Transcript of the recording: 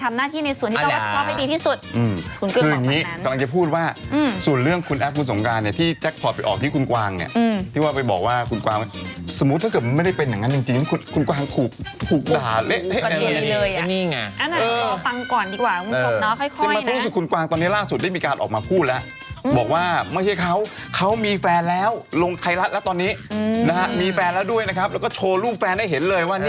มีแฟนแล้วด้วยนะครับแล้วก็โชว์รูปแฟนให้เห็นเลยว่า